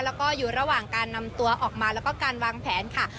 แล้วก็อยู่ระหว่างการนำตัวออกมาแล้วก็การวางแผนค่ะ